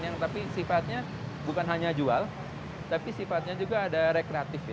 yang tapi sifatnya bukan hanya jual tapi sifatnya juga ada rekreatif